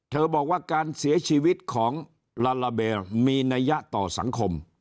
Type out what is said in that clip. บอกว่าการเสียชีวิตของลาลาเบลมีนัยยะต่อสังคม